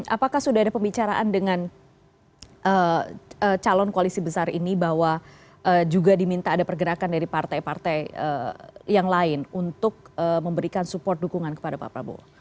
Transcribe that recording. apakah sudah ada pembicaraan dengan calon koalisi besar ini bahwa juga diminta ada pergerakan dari partai partai yang lain untuk memberikan support dukungan kepada pak prabowo